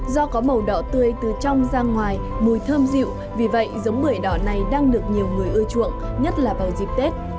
do có màu đỏ tươi từ trong ra ngoài mùi thơm dịu vì vậy giống bưởi đỏ này đang được nhiều người ưa chuộng nhất là vào dịp tết